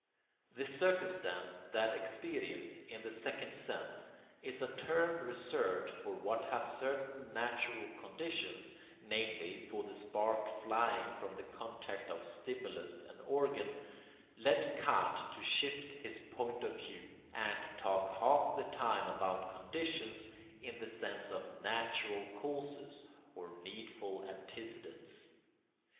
The circumstance that experience, in the second sense, is a term reserved for what has certain natural conditions, namely, for the spark flying from the contact of stimulus and organ, led Kant to shift his point of view, and to talk half the time about conditions in the sense of natural causes or needful antecedents.